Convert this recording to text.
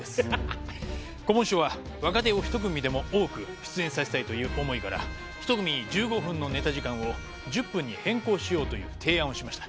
こぼん師匠は若手を１組でも多く出演させたいという思いから１組１５分のネタ時間を１０分に変更しようという提案をしました。